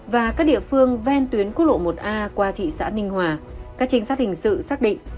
và các địa phương ven tuyến quốc lộ một a qua thị xã ninh hòa các trinh sát hình sự xác định